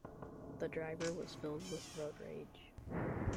The driver was filled with road rage.